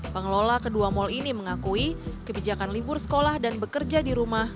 pengelola kedua mal ini mengakui kebijakan libur sekolah dan bekerja di rumah